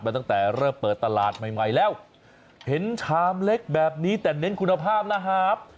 ตั้งแต่เริ่มเปิดตลาดใหม่ใหม่แล้วเห็นชามเล็กแบบนี้แต่เน้นคุณภาพนะครับ